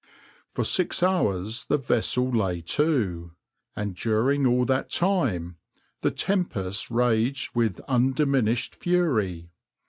\par For six hours the vessel lay to, and during all that time the tempest raged with undiminished fury.